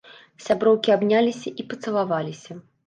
Сяброўкі абняліся і пацалаваліся.